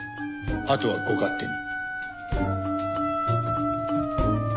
あとはご勝手に。